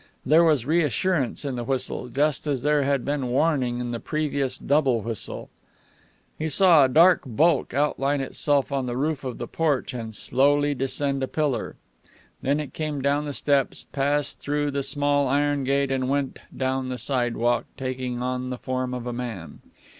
There was reassurance in the whistle, just as there had been warning in the previous double whistle. He saw a dark bulk outline itself on the roof of the porch and slowly descend a pillar. Then it came down the steps, passed through the small iron gate, and went down the sidewalk, taking on the form of a man.